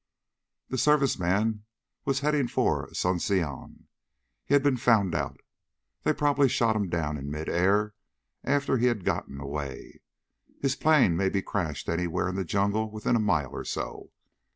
That Service man was heading for Asunción. He'd been found out. They probably shot him down in mid air after he'd gotten away. His plane may be crashed anywhere in the jungle within a mile or so.